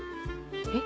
えっ？